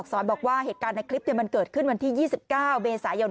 สอนบอกว่าเหตุการณ์ในคลิปมันเกิดขึ้นวันที่๒๙เมษายน